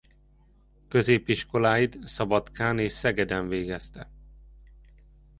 Középiskolait Szabadkán és Szegeden végezte.